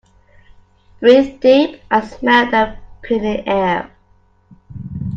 Breathe deep and smell the piny air.